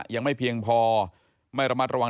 ยังไม่เพียงพอไม่ระมัดระวัง